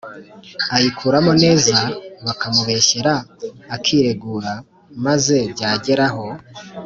ayikuramo neza, bakamubeshyera akiregura, maze byageraho